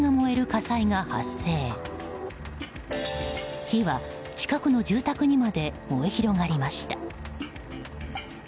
火は近くの住宅にまで燃え広がりました。